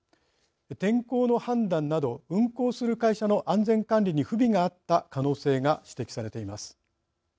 天候の判断など運航する会社の安全管理に不備があった可能性が指摘されています。